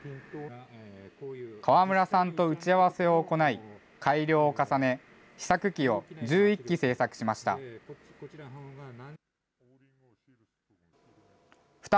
河村さんと打ち合わせを行い、改良を重ね、試作機を１１機製作しました。